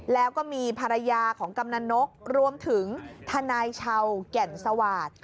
แล้วก็มีภรรยาของกำนันนกรวมถึงทนายชาวแก่นสวาสตร์